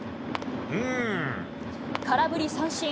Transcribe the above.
空振り三振。